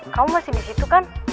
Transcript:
kamu masih disitu kan